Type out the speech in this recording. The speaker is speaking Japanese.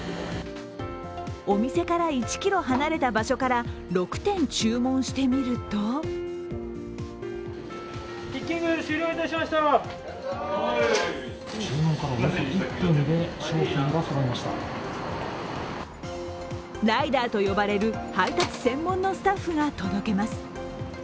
お店から１ｋｍ離れた場所から６点注文してみるとライダーと呼ばれる配達専門のスタッフが届けます。